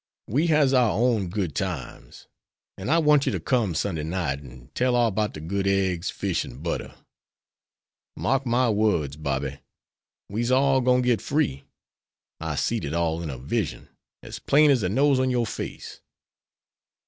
We has our own good times. An' I want you to come Sunday night an' tell all 'bout the good eggs, fish, and butter. Mark my words, Bobby, we's all gwine to git free. I seed it all in a vision, as plain as de nose on yer face."